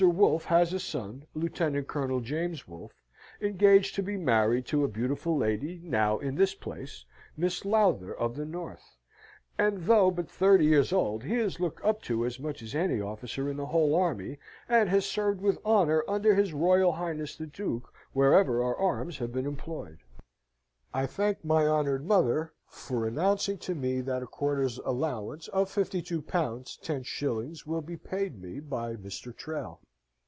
Wolfe has a son, Lieut. Col. James Wolfe, engaged to be married to a beautiful lady now in this place, Miss Lowther of the North and though but 30 years old he is looked up to as much as any officer in the whole army, and has served with honour under his Royal Highness the Duke wherever our arms have been employed. "I thank my honoured mother for announcing to me that a quarter's allowance of 52l. 10s. will be paid me by Mr. Trail.